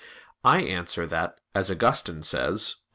I answer that, As Augustine says (QQ.